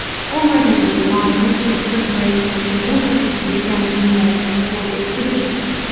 Already in July vigorous preparations in all secrecy began to be made for the expedition.